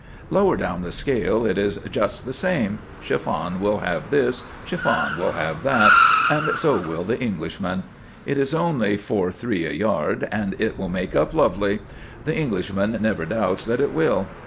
Lower down the scale it is just the same: Chiffon will have this, Chiffon will have that, and so will the Englishman. It is only four three a yard, and it will make up lovely! The Englishman never doubts that it will.